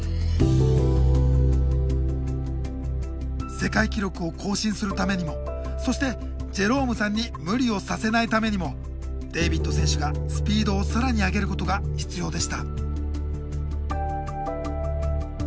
世界記録を更新するためにもそしてジェロームさんに無理をさせないためにもデイビッド選手がスピードを更に上げることが必要でした。